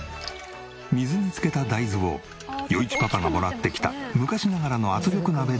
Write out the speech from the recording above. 水に漬けた大豆を余一パパがもらってきた昔ながらの圧力鍋で煮る。